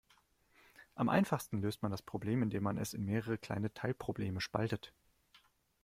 Am einfachsten löst man das Problem, indem man es in mehrere kleine Teilprobleme spaltet.